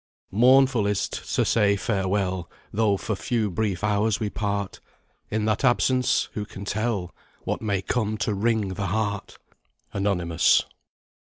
"Mournful is't to say Farewell, Though for few brief hours we part; In that absence, who can tell What may come to wring the heart!" ANONYMOUS.